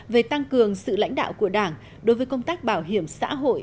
về tăng cường sự lãnh đạo của đảng đối với công tác bảo hiểm xã hội